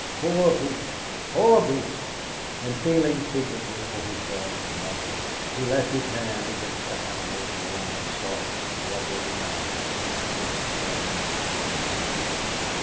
Poor brutes, poor brutes!" And feeling secretly for his dog's muzzle, he left his hand against the animal's warm, soft, rubbery mouth, to be licked again and again.